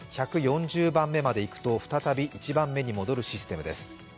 １４０番目までいくと再び１番目に戻るシステムです。